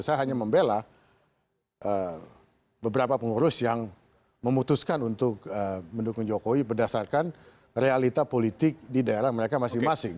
saya hanya membela beberapa pengurus yang memutuskan untuk mendukung jokowi berdasarkan realita politik di daerah mereka masing masing